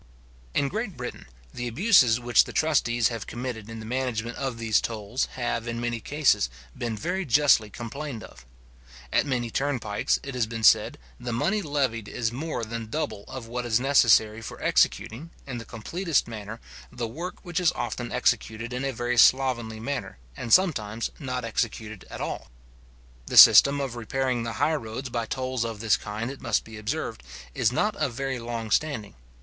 In Great Britain, the abuses which the trustees have committed in the management of those tolls, have, in many cases, been very justly complained of. At many turnpikes, it has been said, the money levied is more than double of what is necessary for executing, in the completest manner, the work, which is often executed in a very slovenly manner, and sometimes not executed at all. The system of repairing the high roads by tolls of this kind, it must be observed, is not of very long standing.